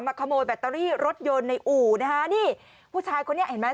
ขโมยแบตเตอรี่รถยนต์ในอู่นะคะนี่ผู้ชายคนนี้เห็นไหม